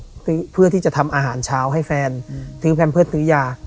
ซื้อเพื่อที่จะทำอาหารเช้าให้แฟนซื้อแพร่มเพิ่มซื้อยา